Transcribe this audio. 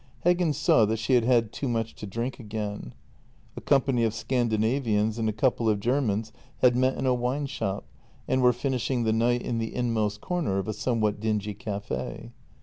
Heggen saw that she had had too much to drink again. A company of Scandinavians and a couple of Germans had met in a wine shop, and were finishing the night in the inmost corner of a somewhat dingy café.